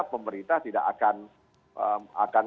pemerintah tidak akan